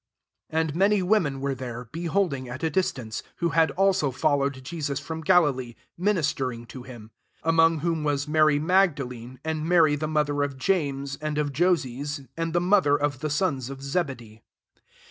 55 And many women were there, beholding at a distance ; who had altQ followed Jesus from Galilee, ministering to him: 56 among whom was Mary Magdalene, and Mary the mother of James and of Joses, and the mother of the sons of Zebedee.